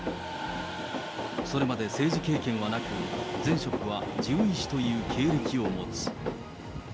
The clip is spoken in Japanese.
それまで政治経験はなく、前職は獣医師という経歴を持つ。